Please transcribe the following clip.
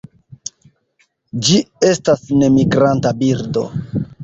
Ĝi estas nemigranta birdo.